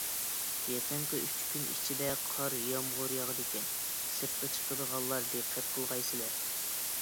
يېقىنقى ئۈچ كۈن ئىچىدە قارا يامغۇر ياغىدىكەن، سىرتقا چىقىدىغانلار دىققەت قىلغايسىلەر.